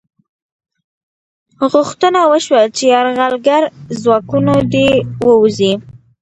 غوښتنه وشوه چې یرغلګر ځواکونه دې ووځي.